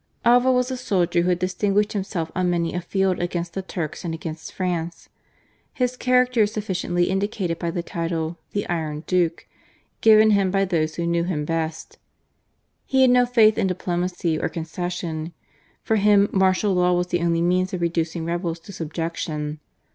Alva was a soldier who had distinguished himself on many a field against the Turks and against France. His character is sufficiently indicated by the title "the iron duke" given him by those who knew him best. He had no faith in diplomacy or concession. For him martial law was the only means of reducing rebels to subjection.